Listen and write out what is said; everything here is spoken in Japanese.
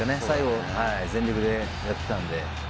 最後、全力でやっていたんで。